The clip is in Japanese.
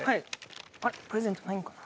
あれプレゼントないんかな？